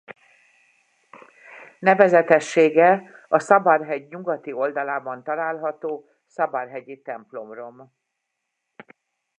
Nevezetessége a Sabar-hegy nyugati oldalában található sabar-hegyi templomrom.